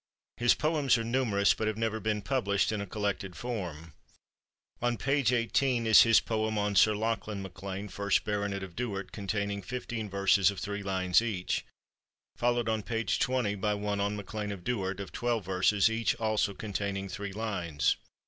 His poems are numerous, but have never been pub lished in a collected form. On page 18 is his poem on Sir Lachlan MacLean, first Baronet of Duard, containing 15 verses of three lines each; followed on page '20 by one on " Mac Lean of Duard," of twelve verses, each also containing three lines.